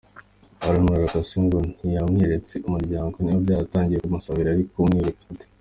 Aramwihakana se ngo ntiyamweretse umuryango, niba bataragiye kumusabira yari kumubereka ate.